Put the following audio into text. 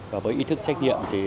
và với ý thức trách nhiệm